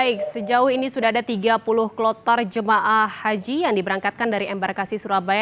baik sejauh ini sudah ada tiga puluh kloter jemaah haji yang diberangkatkan dari embarkasi surabaya